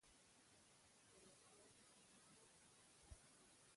د افغانستان جغرافیه کې نمک ستر اهمیت لري.